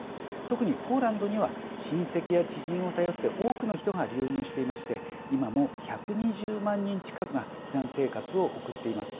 特にポーランドには親戚や知人を頼って多くの人が流入していまして今も１２０万人近くが避難生活を送っています。